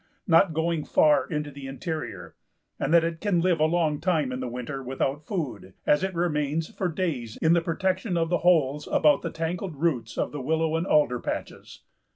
not going far into the interior, and that it can live a long time in winter without food, as it remains for days in the protection of the holes about the tangled roots of the willow and alder patches."